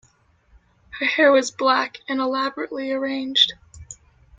Her hair was black and elaborately arranged.